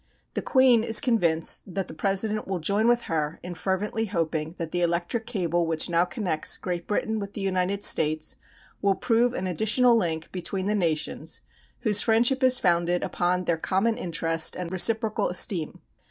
The Queen is convinced that the President will join with her in fervently hoping that the electric cable which now connects Great Britain with the United States will prove an additional link between the nations whose friendship is founded upon their common interest and reciprocal esteem.